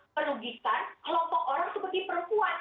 merugikan kelompok orang seperti perempuan